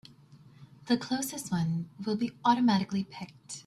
The closest one will be automatically picked.